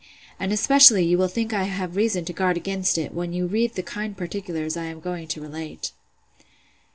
And, especially, you will think I have reason to guard against it, when you read the kind particulars I am going to relate.